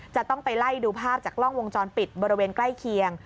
จะต้องไปไล่ดูภาพจากกล้องวงจรปิดบริเวณใกล้เคียง